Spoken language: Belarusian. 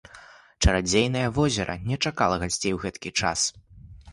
Чарадзейнае возера не чакала гасцей ў гэткі час.